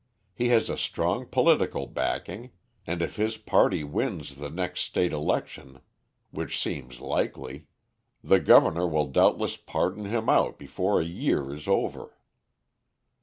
He has a strong political backing, and if his party wins the next state election, which seems likely, the governor will doubtless pardon him out before a year is over."